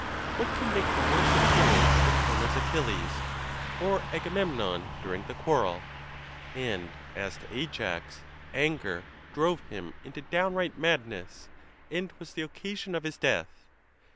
What can make a worse appearance than Homer's Achilles, or Agamemnon, during the quarrel? And as to Ajax, anger drove him into downright madness, and was the occasion of his death.